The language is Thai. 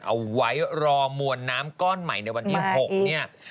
เอาไว้รอมวลน้ำก้อนใหม่ในวันที่๖เนี่ย